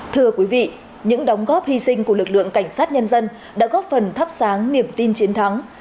thưa quý vị những đóng góp hy sinh của lực lượng cảnh sát nhân dân đã góp phần thắp sáng niềm tin chiến thắng